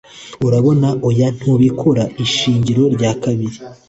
Urabona (oya ntubikora) ishingiro rya kabiri